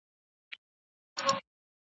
سياست د قدرت د پديدې څېړنه کوي.